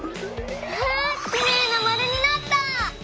わあきれいなまるになった！